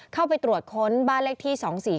เข้าไปตรวจค้นบ้านเลขที่๒๔๔